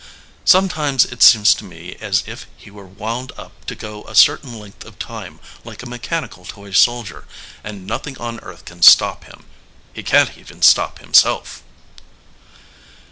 Sometimes it seems to me as if he were wound up to go a certain length of time like a mechanical toy soldier and nothing on earth can stop him. He can t even stop him self."